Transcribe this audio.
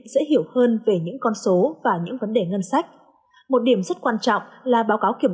dễ hiểu hơn về những con số và những vấn đề ngân sách một điểm rất quan trọng là báo cáo kiểm